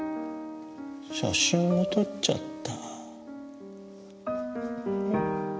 写真も撮っちゃった。